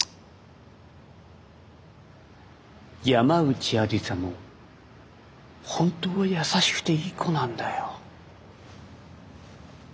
山内愛理沙も本当は優しくていい子なんだよ。